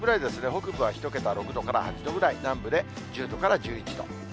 北部は１桁、６度から８度くらい、南部で１０度から１１度。